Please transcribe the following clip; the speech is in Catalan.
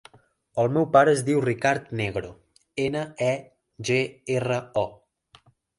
El meu pare es diu Ricard Negro: ena, e, ge, erra, o.